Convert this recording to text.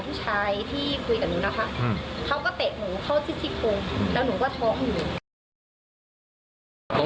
ผู้ชายที่คุยกับหนูนะคะเขาก็เตะหนูเข้าที่ซี่โครงแล้วหนูก็ท้องอยู่